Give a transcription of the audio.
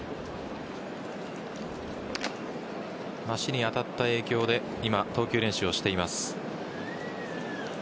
足に当たった影響で今投球練習をしています。